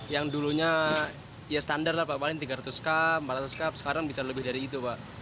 yang dulunya ya standar lah pak paling tiga ratus cup empat ratus cup sekarang bisa lebih dari itu pak